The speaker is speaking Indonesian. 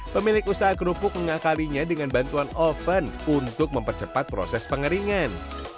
pemilik usaha kerupuk mengakalinya dengan bantuan oven untuk mempercepat proses pengeringan